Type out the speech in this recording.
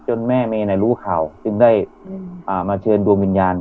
จนแม่แม่น่ะรู้ข่าวซึ่งได้อืมอ่ามาเชิญดวงวิญญาณ